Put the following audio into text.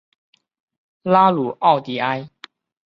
拉鲁奥迪埃。